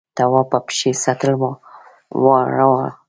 تواب په پښې سطل واړاوه.